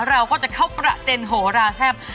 เราก็จะเข้าประเด็นโหราแซ่บ